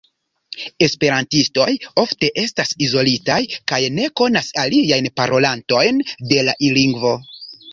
Esperantistoj ofte estas izolitaj kaj ne konas aliajn parolantojn de la lingvo.